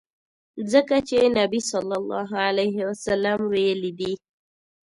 ځکه چي نبي ص ویلي دي.